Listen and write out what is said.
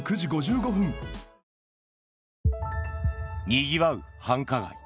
にぎわう繁華街。